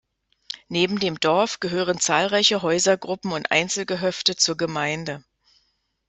Neben dem Dorf gehören zahlreiche Häusergruppen und Einzelgehöfte zur Gemeinde.